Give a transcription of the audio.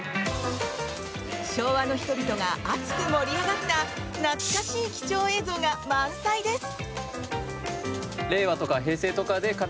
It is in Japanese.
昭和の人々が熱く盛り上がった懐かしい貴重映像が満載です。